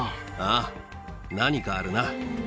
ああ、何かあるな。